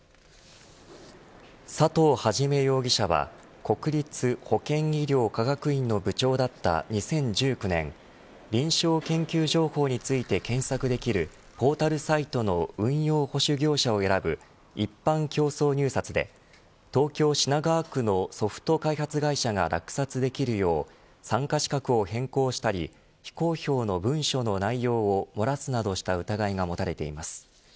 佐藤元容疑者は国立保健医療科学院の部長だった２０１９年臨床研究情報について検索できるポータルサイトの運用保守業者を選ぶ一般競争入札で東京、品川区のソフト開発会社が落札できるよう参加資格を変更したり非公表の文書の内容を漏らすなどした疑いが持たれています。